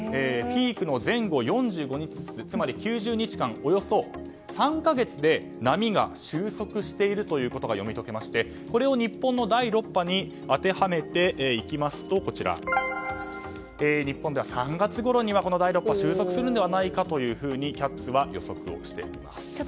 ピークの前後４５日ずつつまり９０日間およそ３か月で波が収束しているということが読み解けましてこれを日本の第６波に当てはめていきますと日本では３月ごろにはこの第６波は収束するのではないかとＣＡＴｓは予測しています。